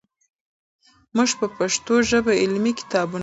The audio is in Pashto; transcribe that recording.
موږ په پښتو ژبه علمي کتابونه لیکو.